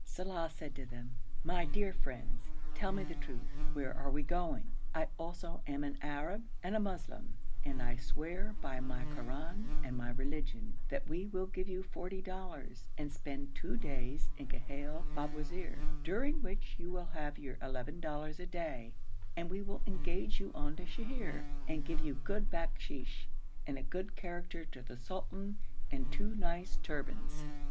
Saleh said to them, 'My dear friends, tell me the truth. Where are we going? I also am an Arab and a Moslem, and I swear by my Koran and my religion, that we will give you forty dollars, and spend two days in Ghail Babwazir, during which you will have your eleven dollars a day; and we will engage you on to Sheher, and give you good bakshish, and a good character to the sultan and two nice turbans.'